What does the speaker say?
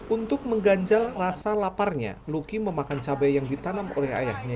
untuk mengganjal rasa laparnya luki memakan cabai yang ditanam oleh ayahnya